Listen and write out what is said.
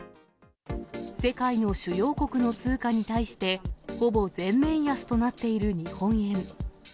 世界の主要国の通貨に対して、ほぼ全面安となっている日本円。